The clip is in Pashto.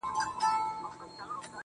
شرطي مفهوم رامنځ ته شو